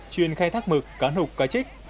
chuyên khai thác mực cá nục cá trích